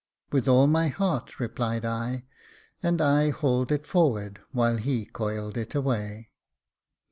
" "With all my heart," replied I, and I hauled it forward, while he coiled it away.